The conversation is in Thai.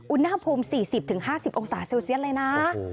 อุณหภูมิ๔๐๕๐เสลวเซียดเลยนะ